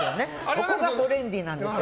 そこがトレンディーなんですよ。